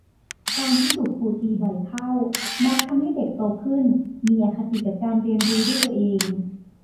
การที่ถูกครูตีบ่อยเข้ามักทำให้เด็กโตขึ้นมีอคติกับการเรียนรู้ด้วยตัวเอง